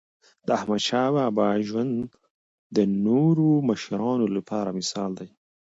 داحمدشاه بابا ژوند د نورو مشرانو لپاره مثال دی.